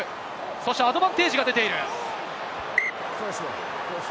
そしてアドバンテージが出ている。